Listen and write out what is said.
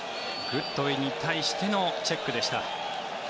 グッドウィンに対してのチェックでした。